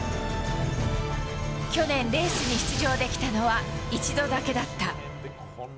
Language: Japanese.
去年、レースに出場できたのは１度だけだった。